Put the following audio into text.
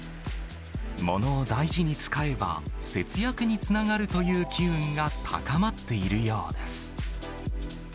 ものを大事に使えば、節約につながるという機運が高まっているようです。